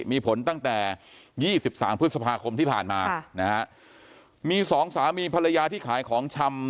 มีผลตั้งแต่๒๓พฤษภาคมที่ผ่านมานะฮะมีสองสามีภรรยาที่ขายของชำ